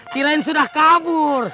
kira kira sudah kabur